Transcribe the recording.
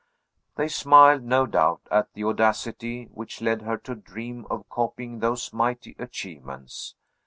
They smiled, no doubt, at the audacity which led her to dream of copying those mighty achievements.